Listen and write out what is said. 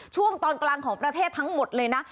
ช่วงตอนกลางของประเทศทั้งหมดเลยนะ